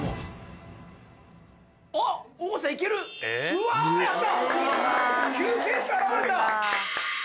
うわやった！